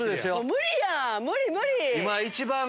無理やん！